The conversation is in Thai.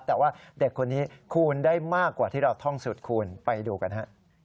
แต่ว่าเด็กคนนี้คูณได้มากกว่าที่เราท่องสุดคูณไปดูกันฮะ